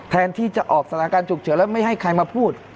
แทนที่จะออกสถานการณ์ฉุกเฉินแล้วไม่ให้ใครมาพูด